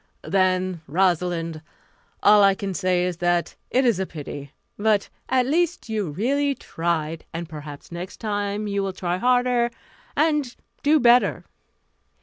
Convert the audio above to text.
"Then, Rosalind, all I can say is that it is a pity. But at least you really tried, and perhaps next time you will try harder and do better."